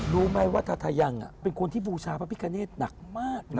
รู้ไหมว่าทาทะยังเป็นคนที่บูชาพระพิคเนตหนักมากเลย